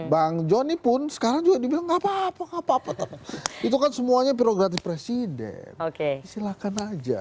bang jonny pun sekarang juga dibilang enggak apa apa enggak apa apa itu kan semuanya pirogratis presiden silahkan aja